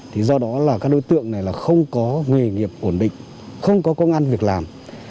thì do đó là các đối tượng này là không có nghề nghiệp ổn định không có công an việc làm